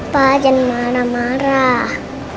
pak jangan marah marah